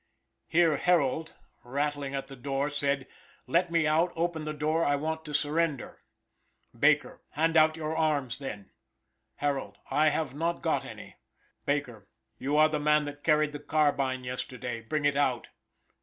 Here Harold, rattling at the door, said: "Let me out; open the door; I want to surrender." Baker "Hand out your arms, then." Harold "I have not got any." Baker "You are the man that carried the carbine yesterday; bring it out."